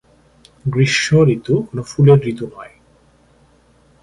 গ্রীষ্ম ঋতু কোনো ফুলের ঋতু নয়।